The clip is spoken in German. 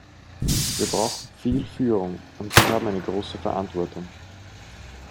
Wir brauchen viel Führung, und Sie haben eine große Verantwortung.